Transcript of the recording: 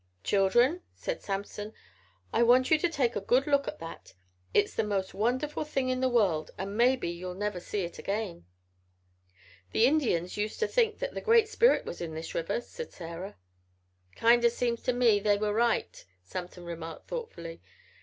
... "Children," said Samson, "I want you to take a good look at that. It's the most wonderful thing in the world and maybe you'll never see it again." "The Indians used to think that the Great Spirit was in this river," said Sarah. "Kind o' seems to me they were right," Samson remarked thoughtfully.